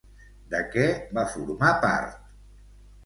De què va formar part?